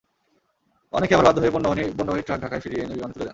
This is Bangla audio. অনেকে আবার বাধ্য হয়ে পণ্যবাহী ট্রাক ঢাকায় ফিরিয়ে এনে বিমানে তুলে দেন।